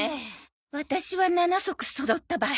ワタシは７足そろったばい。